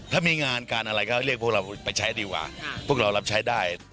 ถ้ามีงานการอะไรก็เรียกพวกเราไปใช้ดีกว่าพวกเรารับใช้ได้